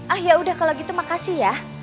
ah ya udah kalau gitu makasih ya